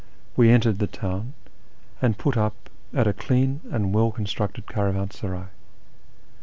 we entered the town, and put up at a clean and well constructed caravansaray.